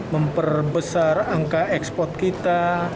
memperbesar angka ekspor kita